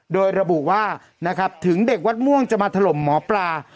โดยระบุว่านะครับถึงเด็กวัดม่วงจะมาถล่มหมอปลา